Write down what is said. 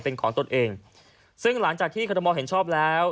เป็นของตนเองซึ่งหลังจากที่คอรมอลเห็นชอบแล้ว